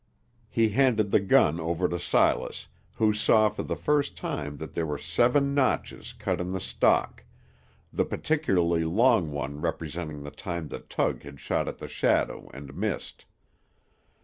He handed the gun over to Silas, who saw for the first time that there were seven notches cut in the stock, the particularly long one representing the time that Tug had shot at the shadow, and missed.